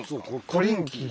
コリンキー。